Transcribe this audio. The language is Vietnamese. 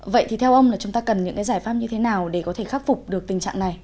vậy thì theo ông là chúng ta cần những cái giải pháp như thế nào để có thể khắc phục được tình trạng này